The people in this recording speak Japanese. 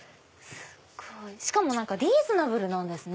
しかもリーズナブルなんですね